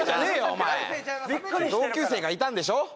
お前同級生がいたんでしょ？